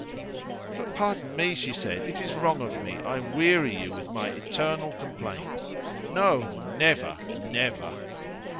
"But pardon me!" she said. "It is wrong of me. I weary you with my eternal complaints." "No, never, never!"